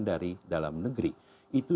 dari dalam negeri itu